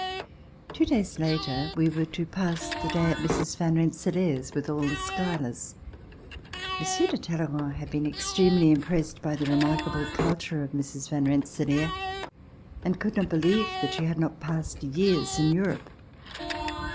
Two days later we were to pass the day at Mrs. Van Rensselaer's, with all the Schuylers. Monsieur de Talleyrand had been extremely Impressed by the remarkable culture of Mrs. Van Rensselaer, and could not believe that she had not passed years in Europe.